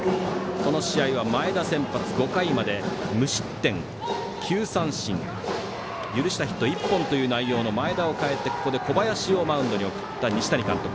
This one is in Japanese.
この試合は前田先発５回まで無失点、９三振許したヒット１本という内容の前田を代えてここで小林をマウンドに送った西谷監督。